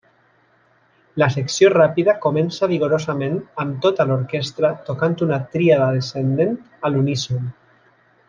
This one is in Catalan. La secció ràpida comença vigorosament amb tota l'orquestra tocant una tríada descendent a l'uníson.